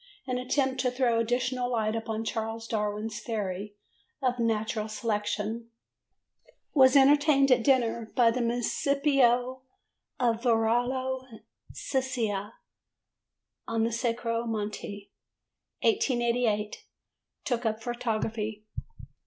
An attempt to throw additional light upon Charles Darwin's theory of Natural Selection. Was entertained at dinner by the Municipio of Varallo Sesia on the Sacro Monte. 1888. Took up photography.